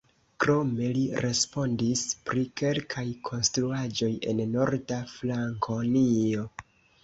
Krome li responsis pri kelkaj konstruaĵoj en Norda Frankonio.